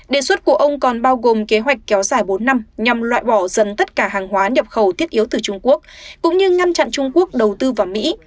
đề xuất của ông còn bao gồm kế hoạch kéo dài bốn năm nhằm loại bỏ dần tất cả hàng hóa nhập khẩu thiết yếu từ trung quốc cũng như ngăn chặn trung quốc đầu tư vào mỹ